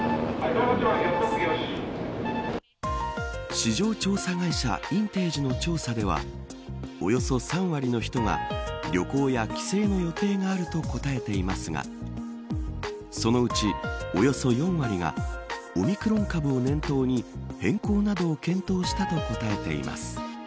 市場調査会社インテージの調査ではおよそ３割の人が旅行や帰省の予定があると答えていますがそのうち、およそ４割がオミクロン株を念頭に変更などを検討したと答えています。